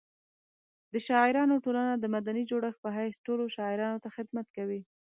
د شاعرانو ټولنه د مدني جوړښت په حیث ټولو شاعرانو ته خدمت کوي.